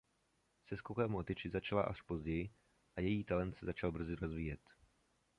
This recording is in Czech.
Se skokem o tyči začala až později a její talent se začal brzy rozvíjet.